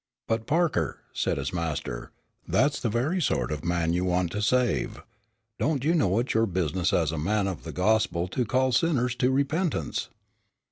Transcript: "But Parker," said his master, "that's the very sort of man you want to save. Don't you know it's your business as a man of the gospel to call sinners to repentance?"